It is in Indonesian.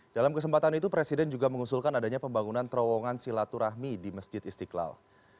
dalam kesempatan itu presiden juga mengusulkan adanya pembangunan terowongan silaturahmi di masjid istiqlal